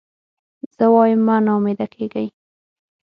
زه وایم مه نا امیده کېږی.